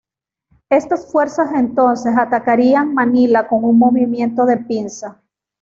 Estas fuerzas entonces atacarían Manila con un movimiento de pinza.